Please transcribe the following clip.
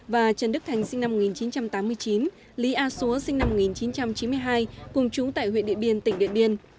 và trần đức thành sinh năm một nghìn chín trăm tám mươi chín lý a xúa sinh năm một nghìn chín trăm chín mươi hai cùng chúng tại huyện điện biên tỉnh điện biên